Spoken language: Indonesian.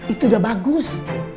itu udah bagus